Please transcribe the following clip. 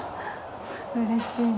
うれしいな。